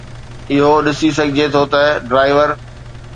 اهو ڏسي سگهجي ٿو ته ڊرائيور